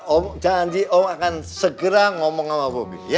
om janji om akan segera ngomong sama bobby ya